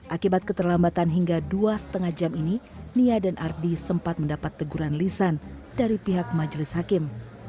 akibat keterlambatan hingga dua lima jam ini nia dan ardi sempat mendapat teguran lisan dari pihak majelis hakim